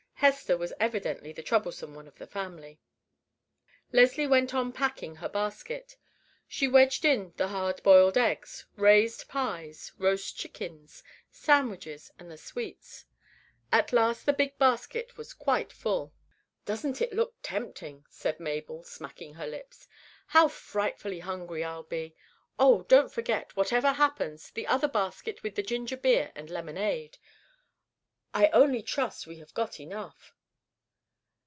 Hester was evidently the troublesome one of the family. Leslie went on packing her basket. She wedged in the hard boiled eggs, raised pies, roast chickens, sandwiches, and the sweets. At last the big basket was quite full. "Doesn't it look tempting?" said Mabel, smacking her lips. "How frightfully hungry I'll be. Oh, don't forget, whatever happens, the other basket with the ginger beer and lemonade. I only trust we have got enough."